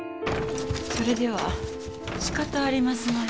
それではしかたありますまい。